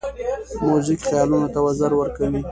موزیک خیالونو ته وزر ورکوي.